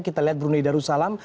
kita lihat brunei darussalam